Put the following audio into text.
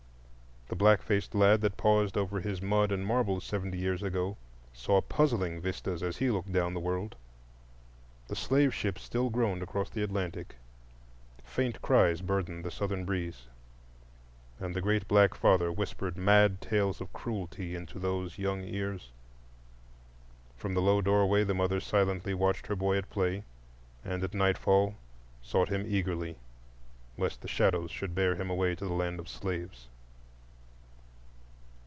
The black faced lad that paused over his mud and marbles seventy years ago saw puzzling vistas as he looked down the world. The slave ship still groaned across the Atlantic, faint cries burdened the Southern breeze, and the great black father whispered mad tales of cruelty into those young ears. From the low doorway the mother silently watched her boy at play, and at nightfall sought him eagerly lest the shadows bear him away to the land of slaves.